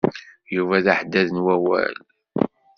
Yuba d aḥeddad n wawal.